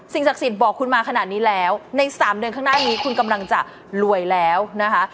ศักดิ์สิทธิ์บอกคุณมาขนาดนี้แล้วใน๓เดือนข้างหน้านี้คุณกำลังจะรวยแล้วนะคะ